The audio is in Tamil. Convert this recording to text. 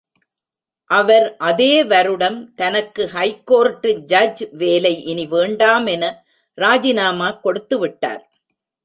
அவர் அதே வருடம் தனக்கு ஹைகோர்ட்டு ஜட்ஜ் வேலை இனி வேண்டாமென ராஜினாமா கொடுத்துவிட்டார்!